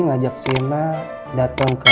ngajak siana datang ke